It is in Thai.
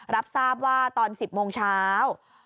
รับทราบว่าตอน๑๐โมงเช้า